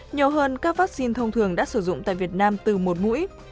nhiều hơn các vaccine thông thường đã sử dụng tại việt nam từ một mũi